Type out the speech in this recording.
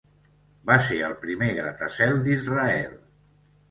Va ser el primer gratacel d'Israel.